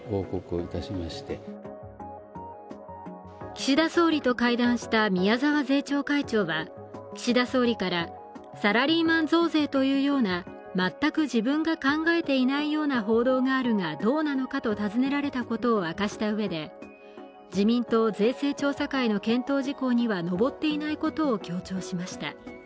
岸田総理と会談した宮沢税調会長は岸田総理から、サラリーマン増税というような全く自分が考えていないような報道があるがどうなのかと尋ねられたことを明かしたうえで自民党税制調査会の検討事項にはのぼっていなことを強調しました。